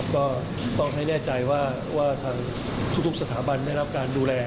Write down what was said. ก็ต้องให้แน่ใจว่าทางทุกสถาบันได้รับการดูแล